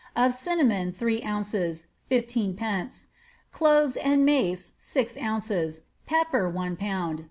of cinnamon, three ounces, lid.\ cloves and mace, six ounces ; pepper, one pound, 2s.